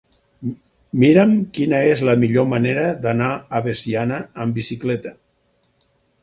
Mira'm quina és la millor manera d'anar a Veciana amb bicicleta.